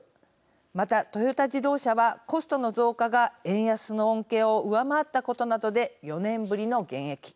また、トヨタ自動車はコストの増加が円安の恩恵を上回ったことなどで４年ぶりの減益。